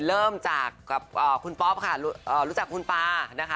เริ่มจากกับคุณป๊อปค่ะรู้จักคุณปานะคะ